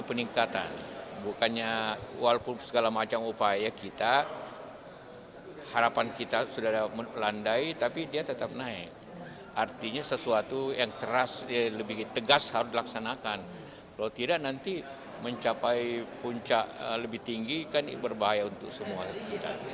puncak lebih tinggi kan berbahaya untuk semua kita